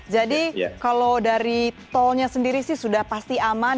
jadi kalau dari tolnya sendiri sudah pasti aman